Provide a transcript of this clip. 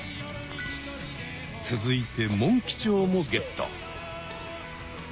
続いてモンキチョウもゲット。